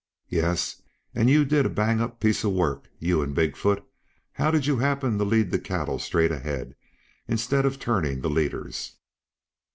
"Yes, and you did a bang up piece of work, you and Big foot. How did you happen to lead the cattle straight ahead, instead of turning the leaders?"